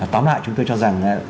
tóm lại chúng tôi cho rằng